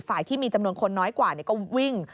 ที่มีจำนวนคนน้อยกว่าก็วิ่ง